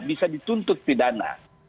bisa dituntut pidana